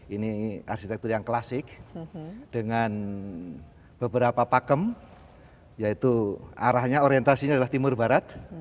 ini arsitektur yang klasik dengan beberapa pakem yaitu arahnya orientasinya adalah timur barat